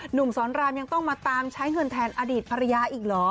หนุ่มสอนรามยังต้องมาตามใช้เงินแทนอดีตภรรยาอีกเหรอ